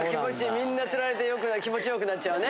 みんなつられて気持ちよくなっちゃうね。